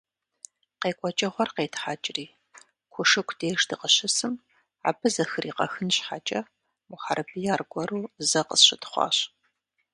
КъекӀуэкӀыгъуэр къетхьэкӀри, Кушыку деж дыкъыщысым, абы зэхригъэхын щхьэкӀэ, Мухьэрбий аргуэру зэ къысщытхъуащ.